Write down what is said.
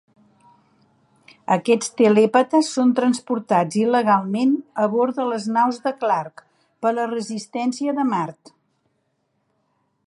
Aquests telèpates són transportats il·legalment a bord de les naus de Clark per la resistència de Mart.